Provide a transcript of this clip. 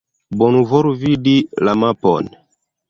Bonvolu vidi la mapon.